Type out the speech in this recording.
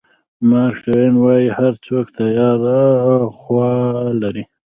مارک ټواین وایي هر څوک تیاره خوا لري.